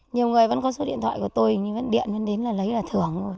nhiều người vẫn có số điện thoại của tôi nhưng vẫn điện đến là lấy là thưởng